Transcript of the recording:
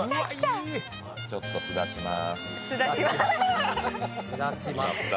ちょっと、すだちまーす。